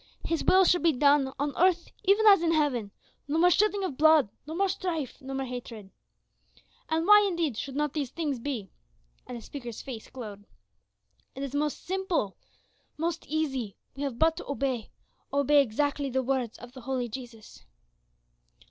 His will should be done on earth even as in heaven, no more shedding of blood, no more strife, no more hatred. And why indeed should not these things be?" and the speaker's face glowed. "It is most simple most easy. We have but to obey obey exactly the words of the holy Jesus."